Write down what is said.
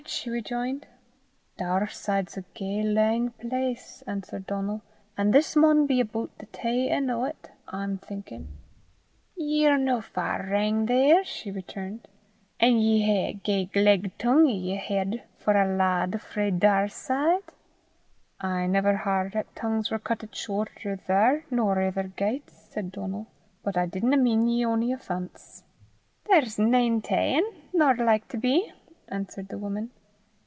she rejoined. "Daurside's a gey lang place," answered Donal; "an' this maun be aboot the tae en' o' 't, I'm thinkin'." "Ye're no far wrang there," she returned; "an' ye hae a gey gleg tongue i' yer heid for a laad frae Daurside." "I never h'ard 'at tongues war cuttit shorter there nor ither gaits," said Donal; "but I didna mean ye ony offence." "There's nane ta'en, nor like to be," answered the woman.